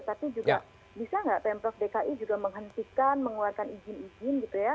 tapi juga bisa nggak pemprov dki juga menghentikan mengeluarkan izin izin gitu ya